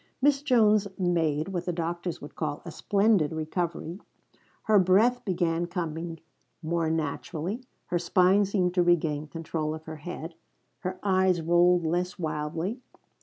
Miss Jones made what the doctors would call a splendid recovery. Her breath began coming more naturally; her spine seemed to regain control of her head; her eyes rolled less wildly.